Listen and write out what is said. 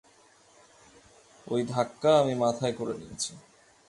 ঐ ধাক্কা আমি মাথায় করে নিয়েছি।